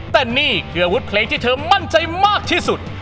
แต่นี่คืออาวุธเพลงที่เธอมั่นใจมากที่สุด